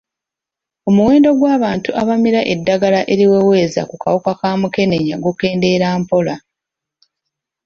Omuwendo gw'abantu abamira eddagala eriweweeza ku kawuka ka mukenenya gukendeera mpola.